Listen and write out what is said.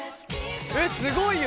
えっすごいよ！